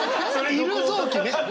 いる臓器！